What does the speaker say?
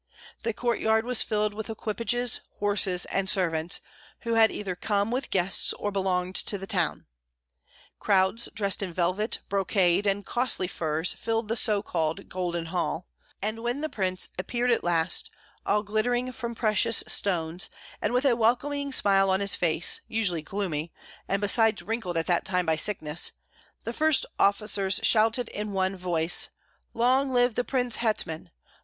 The courtyard was filled with equipages, horses, and servants, who had either come with guests or belonged to the town. Crowds dressed in velvet, brocade, and costly furs filled the so called "Golden Hall;" and when the prince appeared at last, all glittering from precious stones, and with a welcoming smile on his face, usually gloomy, and besides wrinkled at that time by sickness, the first officers shouted in one voice, "Long live the prince hetman!